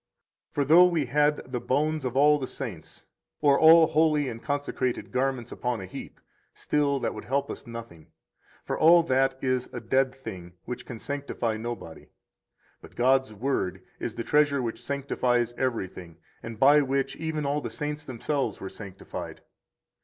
For though we had the bones of all the saints or all holy and consecrated garments upon a heap, still that would help us nothing; for all that is a dead thing which can sanctify nobody. But God's Word is the treasure which sanctifies everything, and by which even all the saints themselves were sanctified.